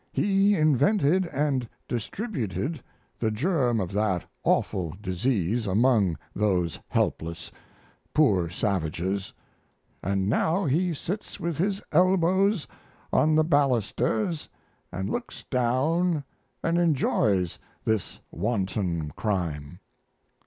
He invented & distributed the germ of that awful disease among those helpless, poor savages, & now He sits with His elbows on the balusters & looks down & enjoys this wanton crime.